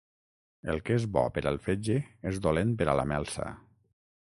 El que és bo per al fetge és dolent per a la melsa.